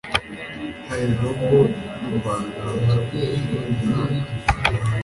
hari Nobel y'ubuvanganzo muri uyu mwaka?